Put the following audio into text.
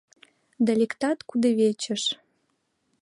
Да лектат кудывечыш